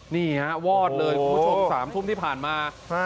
นี่ฮะวอดเลยคุณผู้ชม๓ทุ่มที่ผ่านมา